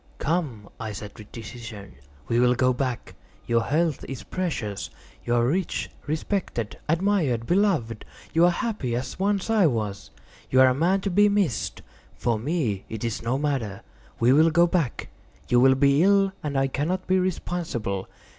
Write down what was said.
"Come," I said, with decision, "we will go back; your health is precious. You are rich, respected, admired, beloved; you are happy, as once I was. You are a man to be missed. For me it is no matter. We will go back; you will be ill, and I cannot be responsible.